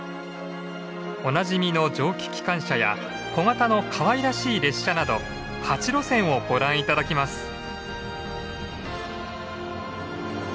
おなじみの蒸気機関車や小型のかわいらしい列車など８路線をご覧頂きます。